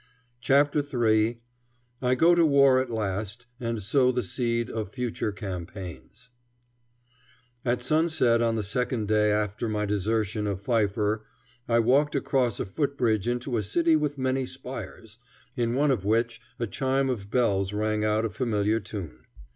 CHAPTER III I GO TO WAR AT LAST AND SOW THE SEED OF FUTURE CAMPAIGNS At sunset on the second day after my desertion of Pfeiffer I walked across a footbridge into a city with many spires, in one of which a chime of bells rang out a familiar tune.